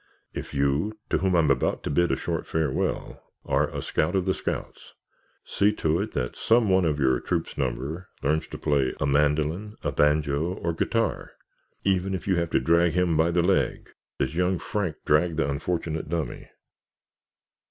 If you, to whom I am about to bid a short farewell, are a scout of the scouts, see to it that some one of your troop's number learns to play a mandolin, a banjo, or guitar—even if you have to drag him by the leg, as young Frank dragged the unfortunate dummy.